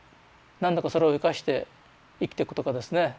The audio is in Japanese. なんとかそれを生かして生きてくとかですね。